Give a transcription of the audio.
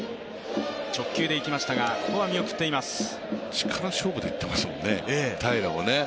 力勝負でいってますね、平良もね。